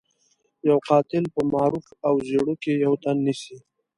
يو قاتل په معروف او زيړوک کې يو تن نيسي.